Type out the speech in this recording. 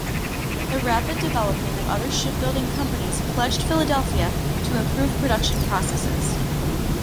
The rapid development of other shipbuilding companies pledged Philadelphia to improve production processes.